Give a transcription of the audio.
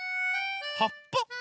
はっぱ？